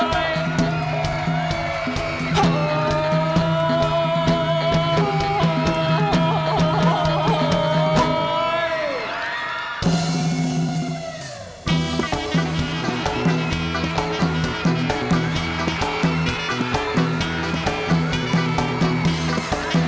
มีรึงกับเจ้าลงข้างน้ำขอเต้น